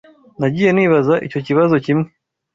Nagiye nibaza icyo kibazo kimwe.